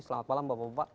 selamat malam bapak bapak